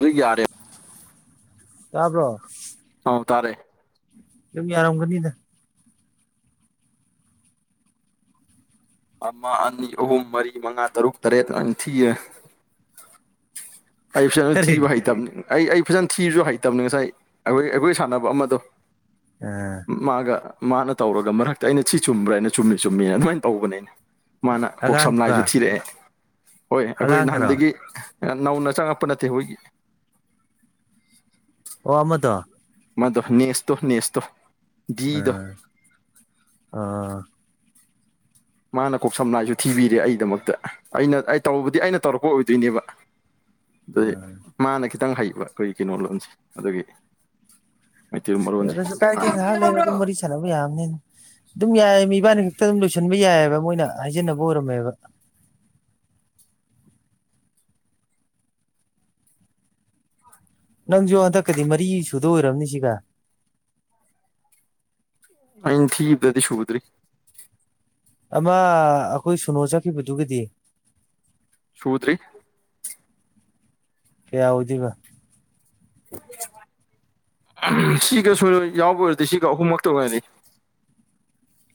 ꯑꯗꯨ ꯌꯥꯔꯦ ꯇꯥꯕ꯭ꯔꯣ ꯍꯥꯎ ꯇꯥꯔꯦ ꯑꯗꯨꯝ ꯌꯥꯔꯝꯒꯅꯤꯗ ꯑꯃ ꯑꯅꯤ ꯑꯍꯨꯝ ꯃꯔꯤ ꯃꯉꯥ ꯇꯔꯨꯛ ꯇꯔꯦꯠ ꯑꯅꯤ ꯊꯤꯌꯦ ꯑꯩ ꯐꯖꯅ ꯀꯔꯤ ꯊꯤꯕ ꯍꯩꯇꯕꯅꯤ ꯑꯩ ꯑꯩ ꯐꯖꯅ ꯊꯤꯔꯁꯨ ꯍꯩꯇꯕꯅꯤ ꯉꯁꯥꯏ ꯑꯩꯈꯣꯏ ꯑꯩꯈꯣꯏ ꯁꯥꯟꯅꯕ ꯑꯃꯗꯣ ꯎꯝ ꯃꯥꯒ ꯃꯥꯅ ꯇꯧꯔꯒ ꯃꯔꯛꯇ ꯑꯩꯅ ꯁꯤ ꯆꯨꯝꯕ꯭ꯔꯥ ꯍꯥꯏꯅ ꯆꯨꯝꯃꯤ ꯆꯨꯝꯃꯤ ꯑꯗꯨꯃꯥꯏꯅ ꯇꯧꯕꯅꯦ ꯃꯥꯅ ꯀꯣꯛ ꯁꯝ ꯂꯥꯏꯁꯨ ꯑꯉꯥꯡꯗꯨꯒ ꯊꯤꯔꯛꯑꯦ ꯍꯣꯏ ꯑꯩꯈꯣꯏ ꯑꯉꯥꯡꯒꯔꯣ ꯅꯍꯥꯟꯗꯒꯤ ꯅꯧꯅ ꯆꯪꯉꯛꯄ ꯅꯠꯇꯦ ꯑꯩꯈꯣꯏꯒꯤ ꯑꯣ ꯑꯃꯗꯣ ꯃꯗꯨ ꯅꯤꯁꯇꯣ ꯅꯦꯁꯇꯣ ꯗꯤꯗꯣ ꯑ ꯑ ꯃꯥꯅ ꯀꯣꯛ ꯁꯝꯅꯥ ꯍꯥꯏꯁꯨ ꯊꯤꯕꯤꯔꯦ ꯑꯩꯒꯤꯗꯃꯛꯇ ꯑꯩꯅ ꯑꯩ ꯇꯧꯔꯨꯕꯨꯗꯤ ꯑꯩꯅ ꯇꯧꯔꯛꯄ ꯑꯣꯏꯗꯣꯏꯅꯦꯕ ꯑꯗꯨꯗꯤ ꯃꯥꯅ ꯈꯤꯇꯪ ꯍꯩꯕ ꯑꯩꯈꯣꯏꯒꯤ ꯀꯩꯅꯣ ꯂꯣꯟꯁꯦ ꯑꯗꯨꯒꯤ ꯃꯩꯇꯩ ꯃꯔꯣꯟꯖꯦ ꯑꯗꯨꯁꯨ ꯀꯥꯏꯗꯦ ꯉꯥꯏꯍꯥꯛ ꯂꯩꯔ ꯑꯗꯨꯝ ꯋꯥꯔꯤ ꯁꯥꯟꯅꯕ ꯌꯥꯅꯦ ꯑꯗꯨꯝ ꯌꯥꯏ ꯃꯤ ꯏꯕꯥꯅꯤ ꯈꯛꯇ ꯑꯗꯨꯝ ꯂꯣꯏꯁꯟꯕ ꯌꯥꯏꯑꯕ ꯃꯣꯏꯅ ꯍꯥꯏꯖꯕ ꯑꯣꯏꯔꯝꯃꯦꯕ ꯅꯪꯁꯨ ꯍꯟꯗꯛꯀꯗꯤ ꯃꯔꯤ ꯁꯨꯗ ꯑꯣꯏꯔꯝꯅꯤ ꯁꯤꯒ ꯑꯩꯅ ꯊꯤꯕꯗꯗꯤ ꯁꯨꯗ꯭ꯔꯤ ꯑꯃ ꯑꯩꯈꯣꯏ ꯁꯨꯅꯣ ꯆꯠꯈꯤꯕꯗꯨꯒꯤꯗꯤ ꯁꯨꯗ꯭ꯔꯤ ꯀꯌꯥ ꯑꯣꯏꯗꯣꯏꯕ ꯁꯤꯒ ꯁꯣꯏ ꯌꯥꯎꯕꯔꯗꯤ ꯁꯤꯒ ꯑꯍꯨꯝꯃꯛ ꯇꯧꯅꯁꯤ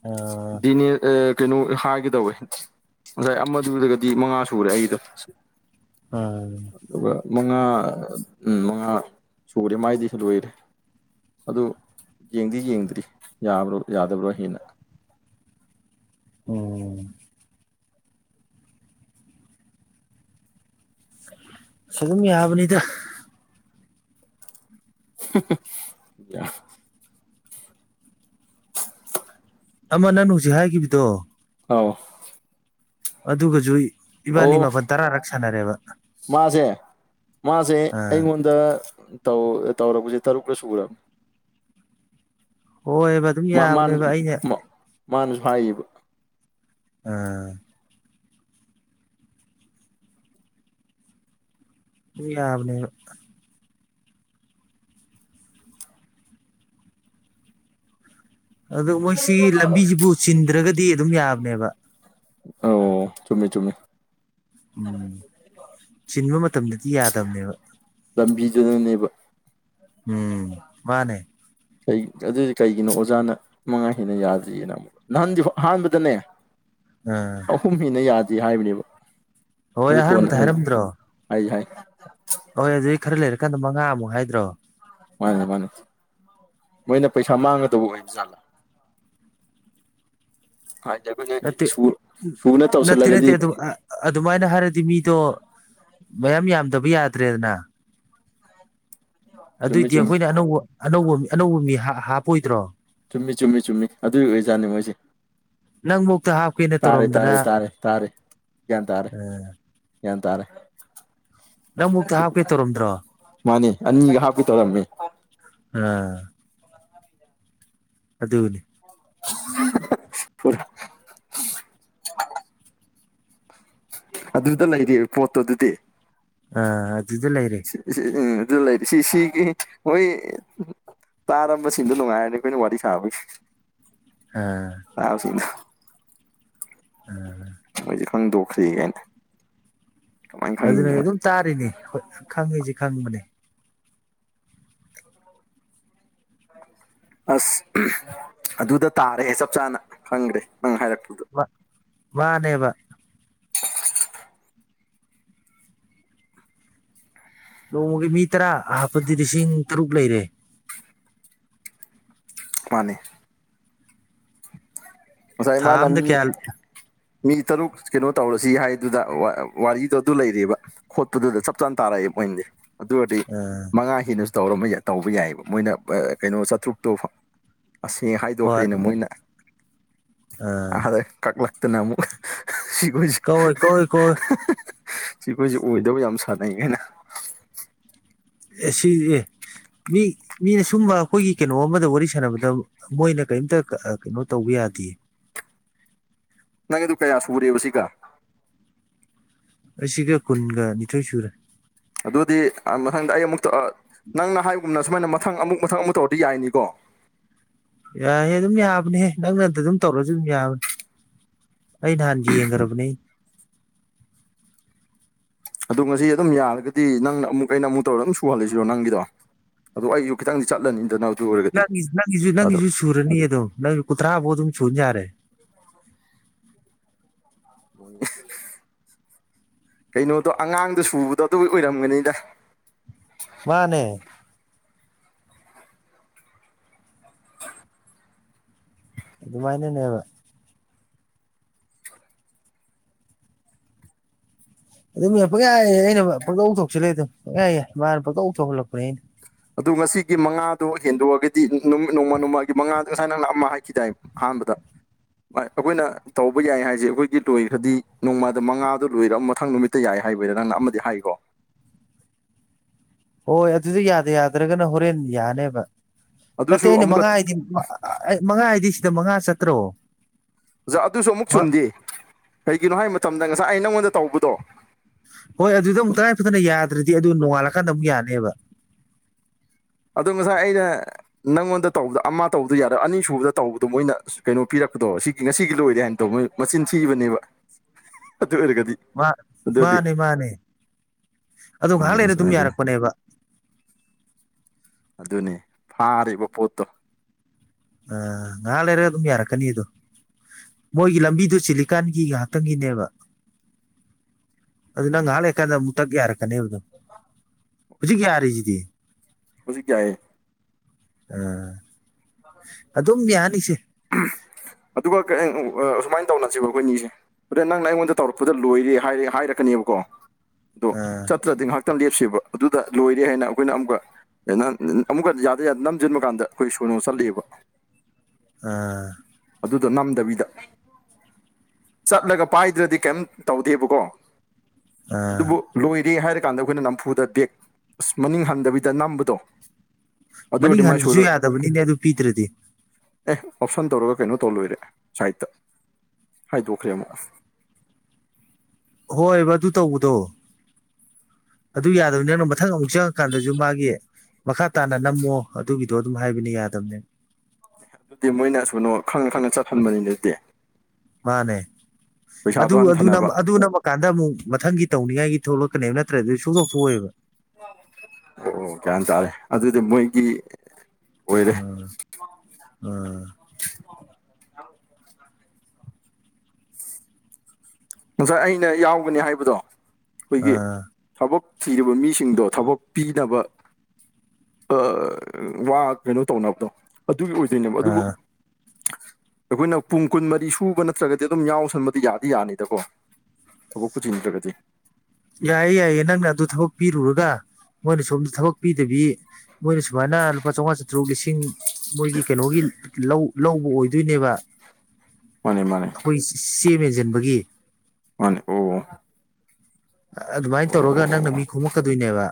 ꯑꯣ ꯗꯤꯅꯦꯜ ꯑ ꯀꯩꯅꯣ ꯍꯥꯏꯒꯦꯗꯧꯋꯦ ꯉꯁꯥꯏ ꯑꯃꯗꯨꯗꯥꯒꯗꯤ ꯃꯉꯥ ꯁꯨꯔꯦ ꯑꯩꯒꯤꯗꯣ ꯎꯨꯝ ꯑꯗꯨꯒ ꯃꯉꯥ ꯎ ꯃꯉꯥ ꯁꯨꯔꯦ ꯃꯥꯏꯗꯤꯁꯨ ꯂꯣꯏꯔꯦ ꯑꯗꯨ ꯌꯦꯡꯗꯤ ꯌꯦꯡꯗ꯭ꯔꯤ ꯌꯥꯕ꯭ꯔꯣ ꯌꯥꯗꯕ꯭ꯔꯣ ꯍꯦꯟꯅ ꯎꯝ ꯁ ꯑꯗꯨꯝ ꯌꯥꯕꯅꯤꯗ ꯌꯥ ꯑꯃ ꯅꯪ ꯍꯧꯖꯤꯛ ꯍꯥꯏꯈꯤꯕꯗꯣ ꯑꯥꯎ ꯑꯗꯨꯒꯁꯨ ꯑꯣ ꯏꯕꯥꯅꯤ ꯃꯥꯄꯜ ꯇꯔꯥꯔꯛ ꯁꯥꯟꯅꯔꯦꯕ ꯃꯥꯁꯦ ꯃꯥꯁꯦ ꯑꯥ ꯑꯩꯉꯣꯟꯗ ꯇꯧ-ꯇꯧꯔꯕꯁꯦ ꯇꯔꯨꯛꯀ ꯁꯨꯔꯕ ꯑꯣꯕ ꯃꯥ ꯃꯥꯅ ꯃꯥ ꯃꯥꯅꯁꯨ ꯍꯥꯏꯌꯦꯕ ꯎꯨꯝ ꯌꯥꯕꯅꯦꯕ ꯑꯗꯨ ꯃꯣꯏꯁꯤꯒꯤ ꯂꯝꯕꯤꯁꯤꯕꯨ ꯆꯤꯟꯗ꯭ꯔꯒꯗꯤ ꯑꯗꯨꯝ ꯌꯥꯕꯅꯦꯕ ꯑꯣ ꯆꯨꯝꯃꯦ-ꯆꯨꯝꯃꯦ ꯎꯨꯝ ꯆꯤꯟꯕ ꯃꯇꯝꯗꯗꯤ ꯌꯥꯗꯕꯅꯦꯕ ꯂꯝꯕꯤꯗꯨꯅꯅꯦꯕ ꯎꯝ ꯃꯥꯟꯅꯦ ꯀꯩ ꯑꯗꯨꯗꯤ ꯀꯩꯒꯤꯅꯣ ꯑꯣꯖꯥꯅ ꯃꯉꯥ ꯍꯦꯟꯅ ꯌꯥꯗ꯭ꯔꯤꯖꯤꯅ ꯑꯃꯨꯛ ꯅꯍꯥꯟꯗꯤ ꯑꯍꯥꯥꯟꯕꯗꯅꯦ ꯎꯨꯝ ꯀꯨꯝꯃꯤꯅ ꯌꯥꯗꯦ ꯍꯥꯏꯕꯅꯦꯕ ꯍꯣꯏ ꯑꯗꯨ ꯀꯣꯟꯅ ꯑꯍꯥꯟꯕꯗ ꯀꯣꯟꯅ ꯍꯥꯏꯔꯝꯗ꯭ꯔꯣ ꯑꯩ ꯍꯥꯏ ꯍꯣꯏ ꯑꯗꯨꯗꯤ ꯈꯔ ꯂꯩꯔꯀꯥꯟꯗ ꯃꯉꯥꯃꯨꯛ ꯍꯥꯏꯗ꯭ꯔꯣ ꯃꯥꯅꯦ-ꯃꯥꯅꯦ ꯃꯣꯏꯅ ꯄꯩꯁꯥ ꯃꯥꯡꯒꯗꯧꯕ ꯑꯣꯏꯕ ꯖꯥꯠꯂꯥ ꯍꯥꯏꯗꯤ ꯑꯩꯈꯣꯏꯅ ꯅꯠꯇꯦ ꯁꯨ-ꯁꯨꯅ ꯇꯧꯁꯤꯜꯂꯒꯗꯤ ꯑꯗꯨꯃꯥꯏꯟꯅ ꯍꯥꯏꯔꯗꯤ ꯃꯤꯗꯣ ꯃꯌꯥꯝ ꯌꯥꯝꯗꯕ ꯌꯥꯗ꯭ꯔꯦꯗꯅ [unintelligible] ꯆꯨꯝꯃꯤ ꯑꯗꯨꯏꯗꯤ ꯆꯨꯝꯃꯤ ꯑꯩꯈꯣꯏꯅ ꯑꯅꯧꯕ ꯑꯅꯧꯕ ꯑꯅꯧꯕ ꯃꯤ ꯍꯥ- ꯍꯥꯞꯄꯣꯏꯗ꯭ꯔꯣ ꯆꯨꯝꯃꯤ ꯆꯨꯝꯃꯤ ꯆꯨꯝꯃꯤ ꯑꯗꯨꯒꯤ ꯑꯣꯏꯖꯥꯠꯅꯤ ꯃꯣꯏꯁꯤ ꯅꯪꯕꯣꯛꯇ ꯍꯥꯞ ꯇꯥꯔꯦ ꯇꯥꯔ ꯇꯥꯔꯦ ꯇꯥꯔꯦ ꯒꯌꯥꯟ ꯇꯥꯔꯦ ꯒꯌꯥꯟ ꯇꯥꯔꯦ ꯅꯪꯕꯧꯇ ꯍꯥꯞꯀꯦ ꯇꯧꯔꯝꯗ꯭ꯔꯣ ꯃꯥꯅꯤ ꯑꯅꯤ ꯍꯥꯞꯀꯦ ꯇꯧꯔꯝꯃꯦ ꯑꯥ ꯑꯗꯨꯅꯤ [unintelligible] ꯑꯗꯨꯗ ꯂꯩꯔꯦ ꯄꯣꯠꯇꯣ ꯑꯗꯨꯗꯤ ꯑꯥ ꯑꯗꯨꯗ ꯂꯩꯥꯏꯔꯦ ꯁꯤ ꯑꯥ ꯎ ꯑꯗꯨ ꯂꯩꯔꯤ ꯁꯤ ꯁꯤꯒꯤ ꯍꯣꯏ ꯇꯥꯔꯝꯕ ꯁꯤꯟꯗꯨ ꯅꯨꯡꯉꯥꯏꯔꯅꯤ ꯈꯣꯏꯅ ꯋꯥꯔꯤ ꯁꯥꯕꯒꯤ ꯑꯥ ꯇꯥꯕꯁꯤꯡꯗꯣ ꯑꯥ ꯃꯣꯏꯗꯤ ꯈꯪꯗꯣꯛꯈ꯭ꯔꯤ ꯀꯥꯏꯅ ꯀꯃꯥꯏꯅ ꯑꯗꯨꯅ ꯈꯪꯉꯤꯅꯣ ꯑꯩ ꯑꯗꯨꯝ ꯇꯥꯔꯤꯅꯤ ꯈꯪꯉꯤꯁꯤ ꯈꯪꯕꯅꯦ ꯑꯁ ꯑꯗꯨꯗ ꯇꯥꯔꯦ ꯆꯞ ꯆꯥꯅ ꯈꯪꯈ꯭ꯔꯦ ꯅꯪ ꯍꯥꯏꯔꯛꯄꯗꯣ ꯃꯥꯅꯦꯕ ꯅꯣꯡꯃꯒꯤ ꯃꯤ ꯇꯔꯥ ꯑꯍꯞꯄꯗꯤ ꯂꯤꯁꯤꯡ ꯇꯔꯨꯛ ꯂꯩꯔꯦ ꯃꯥꯅꯦ ꯉꯁꯥꯏ ꯊꯥ ꯃꯥꯅ ꯑꯝꯗ ꯃꯤ ꯀꯌꯥ ꯃꯤ ꯇꯔꯨꯛ ꯀꯩꯅꯣ ꯇꯧꯔꯁꯤ ꯍꯥꯏꯗꯨꯗ ꯋꯥꯔꯤꯗꯣ ꯑꯗꯨ ꯂꯩꯔꯤꯕ ꯈꯣꯠꯄꯗꯨꯗ ꯆꯞ ꯆꯥꯅ ꯇꯥꯔꯛꯏ ꯄꫭꯏꯟꯗꯤ ꯑꯗꯨ ꯑꯣꯏꯔꯗꯤ ꯃꯉꯥ ꯍꯦꯟꯅꯁꯨ ꯇꯧꯔꯝꯕ ꯇꯧꯕ ꯌꯥꯏꯑꯕ ꯃꯣꯏꯅ ꯀꯩꯅꯣ ꯆꯥꯇ꯭ꯔꯨꯛꯇꯣ ꯐꯥ ꯑꯁꯤ ꯍꯣꯏ ꯍꯥꯏꯗꯣꯛꯈ꯭ꯔꯦꯅꯦ ꯃꯣꯏꯅ ꯑ ꯑꯗꯦ ꯀꯛꯂꯛꯇꯅ ꯑꯃꯨꯛ ꯁꯤꯒꯩꯏ ꯀꯛꯑꯣꯏ ꯀꯛꯑꯣꯏ ꯀꯛꯑꯣꯏ ꯑ ꯍ ꯍ ꯁꯤ ꯁꯤꯈꯣꯏꯁꯦ ꯑꯣꯏꯗꯕ ꯌꯥꯝ ꯁꯥꯟꯅꯩ ꯍꯥꯏꯅ ꯑꯦ ꯁꯤ ꯑꯦ ꯃꯤ ꯃꯤꯅ ꯁꯨꯝꯕ ꯑꯩꯈꯣꯏꯒꯤ ꯀꯩꯅꯣ ꯑꯃꯗ ꯋꯥꯔꯤ ꯁꯥꯟꯅꯕꯗ ꯃꯣꯏꯅ ꯀꯔꯤꯝꯇ ꯀꯩꯅꯣ ꯇꯧꯕ ꯌꯥꯗꯦ ꯅꯪ ꯑꯗꯨ ꯀꯌꯥ ꯁꯨꯔꯦꯕ ꯁꯤꯒ ꯑꯩꯁꯤꯒ ꯀꯨꯟꯒ ꯅꯤꯊꯣꯏ ꯁꯨꯔꯦ ꯑꯗꯨꯗꯤ ꯃꯊꯪꯗ ꯑꯩ ꯑꯃꯨꯛꯇ ꯅꯪꯅ ꯍꯥꯏꯒꯨꯝꯅ ꯁꯨꯃꯥꯏꯅ ꯃꯊꯪ ꯑꯃꯨꯛ ꯃꯊꯪ ꯑꯃꯨꯛ ꯇꯧꯔꯗꯤ ꯌꯥꯏꯅꯤꯀꯣ ꯌꯥꯏꯍꯦ ꯑꯗꯨꯝ ꯌꯥꯕꯅꯦꯍꯦ ꯅꯪ ꯅꯟꯗ ꯑꯗꯨꯝ ꯇꯧꯔꯁꯨ ꯑꯗꯨꯝ ꯌꯥꯕꯅꯦ ꯑꯩ ꯅꯍꯥꯟꯖꯤꯒꯔꯕꯅꯦ ꯑꯗꯣ ꯉꯁꯤ ꯑꯗꯨꯝ ꯌꯥꯔꯒꯗꯤ ꯅꯪꯅ ꯑꯃꯨꯛ ꯑꯩꯅ ꯑꯃꯨꯛ ꯇꯧꯔ ꯑꯗꯨꯝ ꯁꯨꯍꯜꯂꯤꯁꯤꯔꯣ ꯅꯪꯒꯤꯗꯣ ꯑꯗꯣ ꯑꯩꯁꯨ ꯈꯤꯇꯪꯗꯤ ꯆꯠꯂꯅꯤꯗꯅ ꯑꯗꯨ ꯑꯣꯏꯔꯒꯗꯤ ꯅꯪ ꯅꯪꯒꯤꯁꯨ ꯑꯗꯣ ꯅꯪꯒꯤꯁꯨ ꯁꯨꯔꯅꯤ ꯑꯗꯨꯝ ꯅꯪ ꯀꯨꯟꯊ꯭ꯔꯥꯐꯥꯎ ꯑꯗꯨꯝ ꯁꯨꯅ ꯌꯥꯔꯦ ꯀꯩꯅꯣꯗꯣ ꯑꯉꯥꯡꯗꯣ ꯁꯨꯕꯗꯣ ꯑꯗꯨ ꯑꯣꯏꯔꯝꯒꯅꯤꯗ ꯃꯥꯅꯦ ꯑꯗꯨꯃꯥꯏꯅꯅꯦꯕ ꯑꯗꯨꯝ ꯌꯥꯏ ꯄꯪꯌꯥꯏ ꯑꯩꯅ ꯄꯪꯇꯧ ꯊꯣꯛꯣꯛꯁꯤꯜꯂꯦ ꯑꯗꯨꯝ ꯄꯪꯌꯥꯏ ꯌꯥꯏ ꯃꯥꯅ ꯄꯪꯇꯧ ꯊꯣꯛꯍꯜꯂꯛꯄꯅꯦ ꯑꯩꯅ ꯑꯗꯨ ꯉꯁꯤꯒꯤ ꯃꯉꯥꯗꯣ ꯍꯦꯟꯗꯣꯛꯑꯒꯗꯤ ꯅꯨꯃꯤꯠ ꯅꯣꯡꯃ ꯅꯣꯡꯃꯒꯤ ꯃꯉꯥꯗꯣ ꯉꯁꯥꯏ ꯅꯪ ꯑꯃ ꯍꯥꯏꯈꯤꯗꯥꯏ ꯑꯍꯥꯥꯟꯕꯗ ꯑꯩꯈꯣꯏꯅ ꯇꯧꯕ ꯌꯥꯏ ꯍꯥꯏꯁꯦ ꯑꯩꯈꯣꯏꯒꯤ ꯂꯣꯏꯈ꯭ꯔꯗꯤ ꯅꯣꯡꯃꯥꯗ ꯃꯉꯥꯗ ꯂꯣꯏꯔ ꯃꯊꯪ ꯅꯨꯃꯤꯠ ꯇ ꯌꯥꯏ ꯍꯥꯏꯕꯗ ꯅꯪꯅ ꯑꯃꯗꯤ ꯍꯥꯏꯀꯣ ꯍꯣꯏ ꯑꯗꯨꯗꯤ ꯌꯥꯗ ꯌꯥꯗ꯭ꯔꯒꯅ ꯍꯣꯔꯦꯟ ꯌꯥꯅꯦꯕ ꯅꯠꯇꯦ ꯑꯗꯨꯁꯨ ꯑꯩꯅ ꯑꯃꯨꯛꯀ ꯃꯉꯥ ꯍꯥꯏꯗꯤꯛ ꯑꯩ ꯃꯉꯥ ꯍꯥꯏꯗꯤ ꯁꯤꯗ ꯃꯉꯥ ꯆꯠꯇ꯭ꯔꯣ ꯑꯣꯖꯥ ꯑꯗꯨꯁꯨ ꯑꯃꯨꯛ ꯆꯨꯝꯗꯦ ꯀꯩꯒꯤꯅꯣ ꯍꯥꯏꯕ ꯃꯇꯝꯗ ꯉꯁꯥꯏ ꯑꯩ ꯅꯪꯉꯣꯟꯗ ꯇꯧꯕꯗꯣ ꯍꯣꯏ ꯑꯗꯨꯗ ꯑꯃꯨꯛ ꯇꯔꯥꯏ ꯐꯗꯅ ꯌꯥꯗ꯭ꯔꯗꯤ ꯑꯗꯨ ꯅꯣꯡꯉꯥꯜꯂꯀꯥꯟꯗ ꯑꯃꯨꯛ ꯌꯥꯅꯦꯕ ꯑꯗꯣ ꯉꯁꯥꯏ ꯑꯩꯅ ꯅꯪꯉꯣꯟꯗ ꯇꯧꯕꯗ ꯑꯃ ꯇꯧꯕꯗ ꯌꯥꯔꯥ ꯑꯅꯤꯁꯨꯕꯗ ꯇꯧꯕꯗꯣ ꯃꯣꯏꯅ ꯀꯩꯅꯣ ꯄꯤꯔꯛꯄꯗꯣ ꯁꯤꯒꯤ ꯉꯁꯤꯒꯤ ꯂꯣꯏꯔꯦ ꯍꯥꯏꯅ ꯇꯧꯕ ꯃꯣꯏ ꯃꯆꯤꯟ ꯊꯤꯕꯅꯦꯕ ꯑꯗꯨ ꯑꯣꯏꯔꯒꯗꯤ ꯃꯥ ꯑꯗꯨꯗꯤ ꯃꯥꯅꯦ ꯃꯥꯅꯦ ꯑꯗꯣ ꯆꯨꯝꯃꯦ ꯉꯥꯏꯍꯥꯛ ꯂꯩꯔ ꯆꯨꯝꯃꯦ ꯑꯗꯨꯝ ꯑꯗꯨꯅꯤ ꯌꯥꯔꯛꯄꯅꯦꯕ ꯑꯗꯨꯅꯤ ꯐꯥꯔꯤꯕ ꯄꯣꯠꯇꯣ ꯑ ꯉꯥꯏꯍꯥꯛ ꯂꯩꯔꯒ ꯑꯗꯨꯝ ꯌꯥꯔꯛꯀꯅꯤꯗꯣ ꯃꯣꯏꯒꯤ ꯂꯝꯕꯤꯗꯨ ꯆꯤꯂꯤꯀꯥꯟꯒꯤ ꯉꯥꯏꯍꯥꯛꯇꯪꯒꯤꯅꯦꯕ ꯑꯗꯨ ꯅꯪ ꯑꯗꯨꯅꯤ ꯉꯍꯥꯛ ꯂꯩꯛꯀꯥꯟꯗ ꯑꯃꯨꯛ ꯇꯛ ꯌꯥꯔꯛꯀꯅꯦꯕꯗꯣ ꯍꯧꯖꯤꯛ ꯌꯥꯔꯤꯁꯤꯗꯤ ꯍꯧꯖꯤꯛ ꯀꯌꯦ ꯑꯥ ꯑꯗꯨꯝ ꯌꯥꯅꯤꯁꯦ ꯑꯗꯨꯒ ꯀ ꯑꯨꯃꯥꯏꯅ ꯇꯧꯅꯁꯕ ꯑꯩꯈꯣꯏꯅꯤꯁꯦ ꯑꯗ ꯅꯪꯅ ꯑꯩꯉꯣꯟꯗ ꯇꯧꯔꯛꯄꯗ ꯂꯣꯏꯔꯦ ꯍꯥꯏꯔ ꯍꯥꯏꯔꯛꯀꯅꯦꯕꯀꯣ ꯑꯗꯣ ꯑꯥ ꯆꯠꯇ꯭ꯔꯗꯤ ꯉꯥꯏꯍꯥꯛꯇ ꯈꯤꯇꯪ ꯂꯦꯞꯁꯦꯕ ꯑꯗꯨꯗ ꯂꯣꯏꯔꯦ ꯍꯥꯏꯅ ꯑꯩꯈꯣꯏꯅ ꯑꯃꯨꯛꯀ ꯑꯩꯅ ꯑꯃꯨꯛꯀ ꯌꯥꯗ ꯌꯥꯗꯦ ꯅꯝꯁꯤꯟꯕ ꯀꯥꯟꯗ ꯑꯩꯈꯣꯏ ꯁꯨꯅꯅꯨꯡ ꯆꯠꯂꯤꯦꯕ ꯑꯥ ꯑꯗꯨꯗꯣ ꯅꯝꯗꯕꯤꯗ ꯆꯠꯂꯒ ꯄꯥꯏꯗ꯭ꯔꯗꯤ ꯀꯩꯝ ꯇꯧꯗꯦꯕꯀꯣ ꯑꯥ ꯑꯗꯨꯕꯨ ꯂꯣꯏꯔꯦ ꯍꯥꯏꯔ ꯀꯥꯟꯗ ꯑꯩꯈꯣꯏꯅ ꯅꯝꯐꯨꯗ ꯕꯦꯛ ꯑꯁ ꯃꯅꯤꯡ ꯍꯟꯗꯕꯤꯗ ꯅꯝꯕꯗꯣ ꯑꯗꯨ ꯃꯅꯤꯡ ꯑꯣꯏꯔꯗꯤ ꯃꯥꯏ ꯍꯟꯕꯁꯨ ꯁꯣꯏꯔꯣꯏ ꯌꯥꯗꯕꯅꯤꯅꯦ ꯑꯗꯨ ꯄꯤꯗ꯭ꯔꯗꯤ ꯑꯦ ꯑꯣꯞꯁꯟ ꯇꯧꯔꯒ ꯀꯩꯅꯣ ꯇꯧ ꯂꯣꯏꯔꯦ ꯁꯥꯏꯠꯇ ꯍꯥꯏꯗꯣꯛꯈ꯭ꯔꯦ ꯑꯃꯨꯛ ꯍꯣꯏꯕ ꯑꯗꯨ ꯇꯧꯕꯗꯣ ꯑꯗꯨ ꯌꯥꯗꯕꯅꯤ ꯅꯪꯅ ꯃꯊꯪ ꯑꯃꯨꯛ ꯆꯪꯉꯀꯥꯟꯗꯁꯨ ꯃꯥꯒꯤ ꯃꯈꯥ ꯇꯥꯅ ꯅꯝꯃꯣ ꯑꯗꯨꯒꯤꯗꯣ ꯑꯗꯨꯝ ꯍꯥꯏꯕꯅꯤ ꯌꯥꯗꯕꯅꯦ ꯗꯤ ꯃꯣꯏꯅꯁꯅꯣ ꯈꯪꯅ ꯈꯪꯅ ꯆꯠꯍꯟꯕꯅꯤ ꯅꯠꯇꯦ ꯃꯥꯅꯦ ꯑꯗꯨ ꯄꯩꯁꯥꯗꯣ ꯑꯗꯨ ꯍꯟꯊꯅꯕ ꯑꯗꯨ ꯅ ꯀꯥꯟꯗ ꯑꯃꯨꯛ ꯃꯊꯪꯒꯤ ꯇꯧꯅꯤꯡꯉꯥꯏꯒꯤ ꯊꯣꯛꯂꯛꯀꯅꯦꯕ ꯅꯠꯇ꯭ꯔ ꯑꯗꯨ ꯁꯣꯛꯇꯣꯛ ꯊꯣꯛꯑꯦꯕ ꯑꯣ ꯀꯩ ꯍꯥꯏꯇꯥꯥꯔꯦ ꯑꯗꯨꯗꯤ ꯃꯣꯏꯒꯤ ꯑꯣꯏꯔꯦ ꯎꯝ ꯎꯝ ꯉꯁꯥꯏ ꯑꯩꯅ ꯌꯥꯎꯒꯅꯤ ꯍꯥꯏꯕꯗꯣ ꯑꯩꯈꯣꯏꯒꯤ ꯑꯥ ꯊꯕꯛ ꯊꯤꯔꯤꯕ ꯃꯤꯁꯤꯡꯗꯣ ꯊꯕꯛ ꯄꯤꯅꯕ ꯋꯥ ꯀꯩꯅꯣ ꯇꯧꯅꯕꯗꯣ ꯑꯗꯨꯒꯤ ꯑꯣꯏꯗꯣꯏꯅꯦꯕ ꯑꯗꯨꯕꯨ ꯑꯥ ꯑꯩꯈꯣꯏꯅ ꯄꯨꯡ ꯀꯨꯟꯃꯔꯤ ꯁꯨꯕ ꯅꯠꯇ꯭ꯔꯒꯗꯤ ꯑꯗꯨꯝ ꯌꯥꯎꯁꯟꯕꯗꯤ ꯌꯥꯗꯤ ꯌꯥꯅꯤꯗ ꯗꯀꯣ ꯊꯕꯛ ꯄꯨꯨꯁꯤ ꯅꯠꯇ꯭ꯔꯒꯗꯤ ꯌꯥꯏꯌꯦ ꯌꯥꯏꯌꯦ ꯅꯪꯅ ꯑꯗꯨ ꯊꯕꯛ ꯄꯤꯔꯨꯔꯒ ꯃꯣꯏꯅ ꯁꯣꯝꯗ ꯊꯕꯛ ꯄꯤꯗꯕꯤ ꯃꯣꯏꯅ ꯁꯨꯃꯥꯏꯅ ꯂꯨꯄꯥ ꯆꯥꯝꯃꯉꯥ ꯆꯥꯇ꯭ꯔꯨꯛ ꯂꯤꯁꯤꯡ ꯃꯣꯏꯒꯤ ꯀꯩꯅꯣꯒꯤ ꯂꯧ ꯂꯧꯕ ꯑꯣꯏꯗꯣꯏꯅꯦꯕ ꯃꯥꯅꯦ ꯃꯥꯅꯦ ꯑꯩꯈꯣꯏ ꯆꯦ ꯃꯦꯟꯁꯤꯟꯕꯒꯤ ꯃꯅꯥ ꯑꯗꯨꯃꯥꯏꯅ ꯇꯧꯔꯒ ꯅꯪꯅ ꯃꯤ ꯈꯣꯝꯃꯛꯀꯗꯣꯏꯅꯦꯕ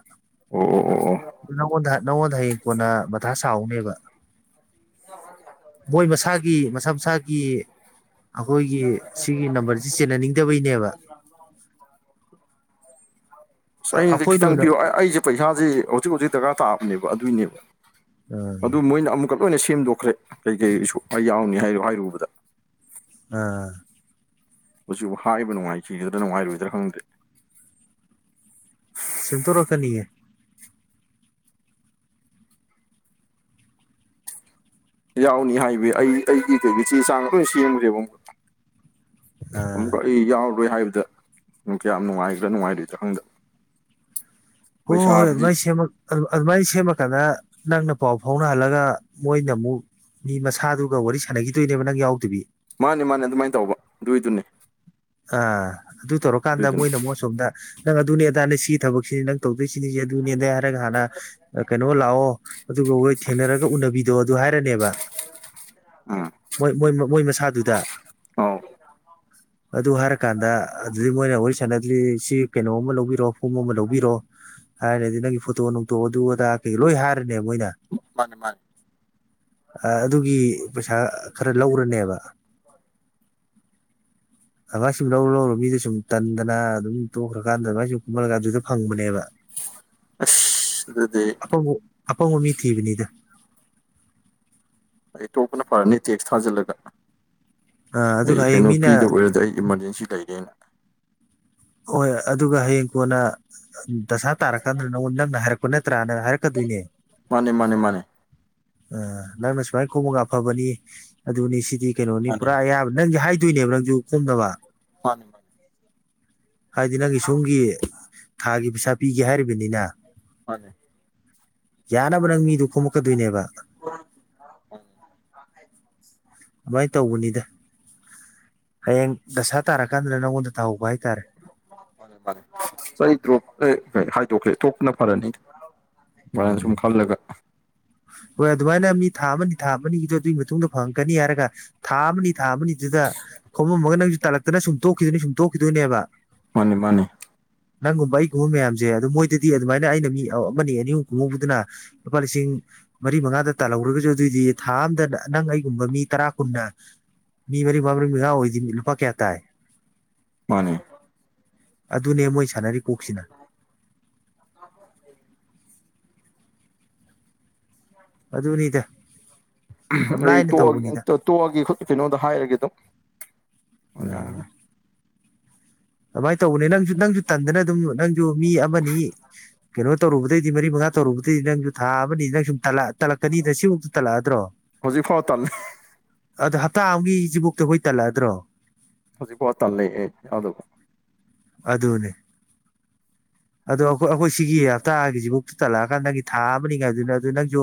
ꯑꯣ ꯑꯣ ꯑꯣ ꯑꯣ ꯅꯉꯣꯟꯗ ꯅꯪꯉꯣꯟꯗ ꯍꯌꯦꯡ ꯀꯣꯟꯅ ꯃꯊꯥ ꯁꯥꯍꯧꯅꯤꯕ ꯃꯣꯏ ꯃꯁꯥꯒꯤ ꯃꯁꯥ ꯃꯁꯥꯒꯤ ꯑꯩꯈꯣꯏꯒꯤ ꯁꯤꯒꯤ ꯅꯝꯕꯔꯁꯤ ꯆꯦꯟꯅꯅꯤꯡꯗꯕꯩꯅꯦꯕ [inaudible] ꯑꯁ ꯑꯩꯅꯗꯤ ꯑꯩꯈꯣꯏꯅ ꯈꯤꯇꯪ ꯑꯣꯏꯅ ꯄꯤꯌꯣ ꯑꯩꯁꯦ ꯄꯩꯁꯥꯁꯦ ꯍꯧꯖꯤꯛ ꯍꯧꯖꯤꯛ ꯗꯔꯀꯥꯔ ꯇꯥꯑꯕꯅꯦꯕ ꯑꯗꯨꯏꯅꯦꯕ ꯑꯗꯨ ꯃꯣꯏꯅ ꯑꯃꯨꯛꯀ ꯂꯣꯏꯅ ꯁꯦꯝꯗꯣꯛꯈ꯭ꯔꯦ ꯀꯩ ꯀꯩꯁꯨ ꯑꯩ ꯌꯥꯎꯅꯤ ꯍꯥꯏ ꯍꯥꯏꯔꯨꯕꯗ ꯎꯝ ꯍꯧꯖꯤꯛꯐꯥꯎ ꯍꯥꯏꯔꯤꯕꯕ ꯅꯨꯡꯉꯥꯏꯈꯤꯗꯅ ꯅꯨꯡꯉꯥꯏꯔꯣꯏꯗ꯭ꯔꯥ ꯈꯪꯗꯦ ꯁꯦꯝꯗꯣꯔꯛꯀꯅꯤꯌꯦ ꯌꯥꯎꯅꯤ ꯍꯥꯏꯕ ꯑꯩꯒꯤ ꯀꯩꯒꯤ ꯆꯦ ꯆꯥꯡ ꯂꯣꯏꯅ ꯁꯦꯝꯈ꯭ꯔꯦꯕ ꯑꯃꯨꯛ ꯑ ꯑꯃꯨꯛꯀ ꯑꯩ ꯌꯥꯎꯔꯔꯣꯏ ꯍꯥꯏꯕꯗ ꯀꯌꯥꯝ ꯅꯨꯡꯉꯥꯏꯈ꯭ꯔꯥ ꯅꯨꯡꯉꯥꯏꯗꯣꯏꯗ ꯈꯪꯗꯕ ꯍꯣꯏ ꯍꯣꯏ ꯑꯗꯨ ꯄꯩꯁꯥꯕꯨꯗꯤ ꯃꯥꯏ ꯁꯦꯝꯃꯛ ꯑꯗꯨꯃꯥꯏꯅ ꯁꯦꯝꯃꯀꯥꯟꯗ ꯅꯪꯅ ꯄꯥꯎ ꯐꯥꯎꯅꯍꯜꯂꯒ ꯃꯣꯏꯅ ꯑꯃꯨꯛ ꯃꯤ ꯃꯁꯥꯗꯨꯒ ꯋꯥꯔꯤ ꯁꯥꯟꯅꯈꯤꯗꯣꯏꯅꯦꯕ ꯅꯪ ꯌꯥꯎꯗꯕꯤ ꯃꯥꯅꯦ ꯃꯥꯅꯦ ꯑꯗꯨꯃꯥꯏꯅ ꯇꯧꯕ ꯑꯗꯨꯏꯗꯨꯅꯤ ꯑ ꯑꯗꯨ ꯇꯧꯔꯀꯥꯟꯗ ꯑꯗꯨꯏꯗꯨꯅꯦ ꯃꯣꯏꯅ ꯑꯃꯨꯛ ꯑꯁꯣꯝꯗ ꯅꯪ ꯑꯗꯨꯅꯤ ꯑꯗꯥꯅꯦ ꯁꯤꯒꯤ ꯊꯕꯛꯁꯤꯅꯤ ꯅꯪ ꯇꯧꯗꯣꯏꯁꯤꯅꯤꯁꯦ ꯑꯗꯨꯅꯦꯅꯦ ꯍꯥꯏꯔꯒ ꯍꯥꯟꯅ ꯀꯩꯅꯣ ꯂꯥꯛꯑꯣ ꯑꯗꯨꯒ ꯑꯩꯈꯣꯏ ꯊꯦꯡꯅꯔꯒ ꯎꯅꯕꯤꯗꯣ ꯑꯗꯨ ꯍꯥꯏꯔꯅꯤꯕ ꯎꯝ ꯃꯣꯏ ꯃꯣꯏ ꯃꯁꯥꯗꯨꯗ ꯑꯧ ꯑꯗꯨ ꯍꯥꯏꯔꯀꯥꯟꯗ ꯑꯗꯨꯗꯤ ꯃꯣꯏꯅ ꯋꯥꯔꯤ ꯁꯥꯟꯅꯗꯗꯤ ꯁꯤ ꯀꯩꯅꯣ ꯑꯃ ꯂꯧꯕꯤꯔꯣ ꯐꯣꯝ ꯑꯃ ꯂꯧꯕꯤꯔꯣ ꯍꯥꯏꯔꯗꯤ ꯅꯪꯒꯤ ꯐꯣꯇꯣ ꯅꯨꯡꯇꯣ ꯑꯗꯨ ꯑꯗꯥ ꯀꯩꯀ ꯂꯣꯏ ꯍꯥꯏꯔꯅꯦꯕ ꯃꯣꯏꯅ ꯃꯥꯅꯦ ꯃꯥꯅꯦ ꯑꯗꯨꯒꯤ ꯄꯩꯁꯥ ꯈꯔ ꯂꯧꯔꯅꯤꯕ ꯑꯗꯨꯚꯥꯏ ꯁꯨꯝ ꯂꯧꯔꯨ ꯂꯧꯔꯨ ꯃꯤꯗꯨ ꯁꯨꯝ ꯇꯟꯗꯅ ꯑꯗꯨꯝ ꯇꯣꯛꯈ꯭ꯔꯀꯥꯟꯗ ꯑꯗꯨꯚꯥꯏ ꯁꯨꯝ ꯀꯨꯝꯍꯜꯂꯒ ꯑꯗꯨꯗ ꯐꯪꯕꯅꯦꯕ ꯑꯁ ꯑꯗꯨꯗꯤ ꯪ ꯑꯄꯪꯕ ꯃꯤ ꯊꯤꯕꯅꯤꯗ ꯑꯩ ꯇꯣꯛꯄꯅ ꯐꯔꯅꯤ ꯇꯦꯛꯁ ꯊꯥꯖꯤꯜꯂꯒ ꯑ ꯑꯗꯨꯒ ꯑꯩꯒꯤ ꯍꯌꯦꯡ ꯃꯤꯅ ꯅꯤꯄꯤꯗ ꯑꯣꯏꯔꯗꯤ ꯑꯩ ꯏꯃꯥꯔꯖꯦꯟꯁꯤ ꯂꯩꯔꯦꯅ ꯍꯣꯏ ꯑꯗꯨꯒ ꯍꯌꯦꯡ ꯀꯣꯟꯅ ꯗꯁꯥ ꯇꯥꯔꯛꯀꯥꯟꯗꯅ ꯅꯪꯉꯣꯟ ꯅꯪꯅ ꯍꯥꯏꯔꯛꯄ ꯅꯠꯇ꯭ꯔꯥꯅ ꯍꯥꯏꯔꯛꯀꯗꯣꯏꯅꯦ ꯃꯥꯅꯦ ꯃꯥꯅꯦ ꯃꯥꯅꯦ ꯑ ꯅꯪꯅ ꯁꯨꯃꯥꯏꯅ ꯈꯣꯝꯃꯒ ꯐꯕꯅꯤ ꯑꯗꯨꯅꯤ ꯁꯤꯗꯤ ꯀꯩꯅꯣꯅꯤ ꯃꯥꯅꯦ ꯄꯨꯔꯥ ꯑꯌꯥꯕ ꯅꯪꯁꯨ ꯍꯥꯏꯗꯣꯏꯅꯦꯕ ꯅꯪꯁꯨ ꯈꯣꯝꯅꯕ ꯃꯥ ꯍꯥꯏꯗꯤ ꯅꯪꯒꯤ ꯁꯣꯝꯒꯤ ꯊꯥꯒꯤ ꯄꯩꯁꯥ ꯄꯤꯒꯦ ꯍꯥꯏꯔꯤꯕꯅꯤꯅ ꯃꯥꯅꯦ ꯌꯥꯅꯕ ꯅꯪ ꯃꯤꯗꯨ ꯈꯣꯝꯃꯛꯀꯗꯣꯏꯅꯦꯕ [inaudible] ꯑꯗꯨꯃꯥꯏꯅ ꯇꯧꯕꯅꯤꯗ ꯍꯌꯦꯡ ꯗꯁꯥ ꯇꯥꯔꯀꯥꯟꯗꯅ ꯅꯪꯉꯣꯟꯗ ꯇꯥꯍꯧꯕ ꯍꯥꯏꯇꯥꯔꯦ ꯃꯥ ꯑꯩ ꯗ꯭ꯔꯣꯞ ꯍꯥꯏꯗꯣꯛꯀ꯭ꯔꯦ ꯊꯣꯛꯄꯅ ꯐꯔꯅꯤ ꯃꯅ ꯁꯨꯝ ꯎꯝ ꯈꯜꯂꯒ ꯍꯣꯏ ꯑꯗꯨꯃꯥꯏꯅ ꯃꯤ ꯊꯥ ꯑꯃꯅꯤ ꯊꯥ ꯑꯃꯅꯤꯒꯤꯗꯨꯣ ꯑꯗꯨꯒꯤ ꯃꯇꯨꯡꯗ ꯐꯪꯉꯛꯀꯅꯤ ꯍꯥꯏꯔꯒ ꯊꯥ ꯑꯃꯅꯤ ꯊꯥ ꯑꯃꯅꯤꯅꯤꯗꯨꯗ ꯈꯣꯝꯃꯝꯃꯒ ꯅꯪꯁꯨ ꯇꯥꯜꯂꯛꯇꯅ ꯁꯨꯝ ꯇꯣꯛꯈꯤꯗꯣꯏꯅꯤ ꯁꯨꯝ ꯇꯣꯛꯈꯤꯗꯣꯏꯅꯦꯕ ꯃꯥꯅꯤ ꯃꯥꯅꯤ ꯅꯪꯒꯨꯝꯕ ꯑꯩꯒꯨꯝꯕ ꯃꯌꯥꯝꯁꯦ ꯑꯗꯨꯣ ꯃꯣꯏꯗꯗꯤ ꯑꯗꯨꯃꯥꯏꯅ ꯑꯩꯅ ꯃꯤ ꯑꯃꯅꯤ ꯑꯅꯤ ꯑꯍꯨꯝ ꯀꯨꯝꯍꯧꯕꯗꯨꯅ ꯂꯨꯄꯥ ꯂꯤꯁꯤꯡ ꯃꯔꯤ ꯃꯉꯥꯗ ꯇꯥꯜꯍꯧꯔꯒꯁꯨ ꯑꯗꯨꯑꯣꯏꯗꯤ ꯊꯥ ꯑꯝꯗ ꯅꯪ ꯑꯩꯒꯨꯝꯕ ꯃꯤ ꯇꯔꯥ ꯀꯨꯟꯅ ꯃꯤ ꯃꯔꯤ ꯃꯉꯥ ꯃꯔꯤ ꯃꯉꯥ ꯑꯣꯏꯗꯤ ꯂꯨꯄꯥ ꯀꯌꯥ ꯇꯥꯏ ꯃꯥꯟꯅꯦ ꯑꯗꯨꯅꯦ ꯃꯣꯏ ꯁꯥꯟꯅꯔꯤ ꯀꯣꯛꯁꯤꯅ [inaudible] ꯑꯗꯨꯅꯤꯗ ꯌꯥꯝ ꯑꯩ ꯂꯥꯏꯅ ꯇꯣꯛꯑꯒꯦ ꯇꯧꯕꯅꯤꯗ ꯇꯣꯛꯑꯒ ꯀꯩꯅꯣꯗ ꯍꯥꯏꯔꯒꯦ ꯑꯗꯨꯝ ꯑꯗꯨꯃꯥꯏꯅ ꯇꯧꯕꯅꯦ ꯅꯪꯁꯨ ꯅꯪꯁꯨ ꯇꯟꯗꯅ ꯑꯗꯨꯝ ꯅꯪꯁꯨ ꯃꯤ ꯑꯃꯅꯤ ꯀꯩꯅꯣ ꯇꯧꯔꯨꯕꯗꯩꯗꯤ ꯃꯔꯤ ꯃꯉꯥ ꯇꯧꯔꯨꯕꯗꯩ ꯅꯪꯁꯨ ꯊꯥ ꯑꯃꯅꯤ ꯅꯪ ꯁꯨꯝ ꯇꯂꯛꯑꯗꯤ ꯇꯜꯂꯛꯀꯅꯤꯗ ꯁꯤꯐꯨꯛꯇ ꯇꯜꯂꯛꯑꯗ꯭ꯔꯣ ꯍꯧꯖꯤꯛꯐꯥꯎ ꯇꯜꯂꯦ ꯑꯗ ꯍꯞꯇꯥ ꯑꯃꯒꯤ ꯁꯤꯐꯥꯎꯗꯇ ꯑꯩꯈꯣꯏ ꯇꯜꯂꯛꯑꯗ꯭ꯔꯣ ꯍꯧꯖꯤꯛꯐꯥꯎ ꯇꯜꯂ ꯑꯩ ꯑꯗꯨ ꯑꯗꯨꯅꯦ ꯑꯗꯣ ꯑꯩꯈꯣꯏ ꯑꯩꯈꯣꯏ ꯁꯤꯒꯤ ꯍꯞꯇꯥꯒꯤꯁꯤꯕꯨꯥꯎ ꯇꯜꯂꯛꯑꯀꯗ ꯅꯪꯒꯤ ꯊꯥ ꯑꯃꯅꯤꯉꯥꯏꯗꯨꯅ ꯑꯗꯨ ꯅꯪꯁꯨ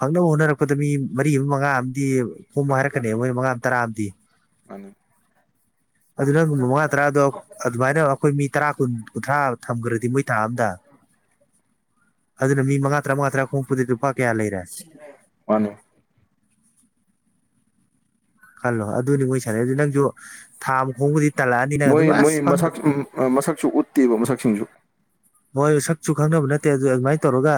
ꯐꯪꯅꯕ ꯍꯣꯠꯅꯔꯛꯄꯗ ꯃꯤ ꯃꯔꯤ ꯑꯃ ꯃꯉꯥ ꯑꯃꯗꯤ ꯇꯨꯝꯃ‌ꯣ ꯃꯥꯅꯤ ꯍꯥꯏꯔꯛꯀꯅꯤ ꯃꯥꯅꯤ ꯃꯣꯏ ꯃꯉꯥ ꯇꯔꯥ ꯑꯝꯗꯤ ꯃꯥꯅꯤ ꯑꯗꯨ ꯅꯪ ꯃꯉꯥ ꯇꯔꯥꯗꯣ ꯑꯗꯨꯃꯥꯏꯅ ꯑꯩꯈꯣꯏ ꯃꯤ ꯇꯔꯥ ꯀꯨꯟ ꯀꯨꯟꯊ꯭ꯔꯥ ꯊꯝꯈ꯭ꯔꯗꯤ ꯃꯣꯏ ꯀꯥ ꯑꯝꯗ ꯑꯗꯨꯅ ꯃꯤ ꯃꯉꯥ ꯇꯥꯔꯥ ꯃꯉꯥ ꯇꯔꯥ ꯈ‌ꯣꯝꯃꯛꯄꯗꯨꯗꯤ ꯂꯨꯄꯥ ꯀꯌꯥ ꯂꯩ ꯃꯥꯟꯅꯦ ꯈꯜꯂꯣ ꯑꯗꯨꯅꯤ ꯃꯣꯏ ꯁꯥꯟꯅꯩꯖ‌ꯦ ꯅꯪꯖꯨ ꯊꯥꯝ ꯈꯣꯡꯕꯨꯗꯤ ꯇꯜꯂꯛꯑꯅꯤ ꯅꯪ ꯃꯣꯏ ꯑꯗꯨꯝ ꯃꯣꯏ ꯑꯁ ꯐꯪ ꯃꯁꯛ ꯃꯁꯛꯁꯨ ꯎꯠꯇꯦꯕ ꯃꯁꯛꯁꯤꯡꯁꯨ ꯃ‌ꯣꯏ ꯁꯛꯁꯨ ꯈꯪꯅꯕ ꯅꯠꯇꯦ ꯑꯗꯨ ꯑꯗꯨꯃꯥꯏꯅ ꯇꯧꯔꯒ